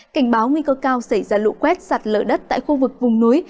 cảnh báo nguy cơ cao xảy ra lũ quét sạt lở đất tại khu vực vùng núi